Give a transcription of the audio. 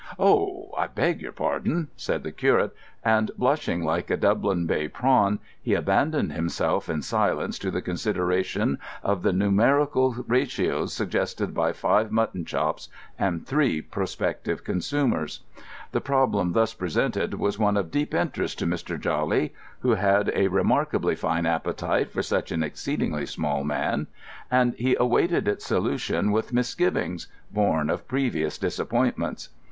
"Oh, I beg your pardon!" said the curate, and, blushing like a Dublin Bay prawn, he abandoned himself in silence to the consideration of the numerical ratios suggested by five mutton chops and three prospective consumers. The problem thus presented was one of deep interest to Mr. Jawley, who had a remarkably fine appetite for such an exceedingly small man, and he awaited its solution with misgivings born of previous disappointments.